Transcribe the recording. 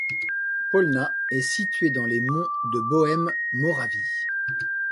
Polná est située dans les monts de Bohême-Moravie.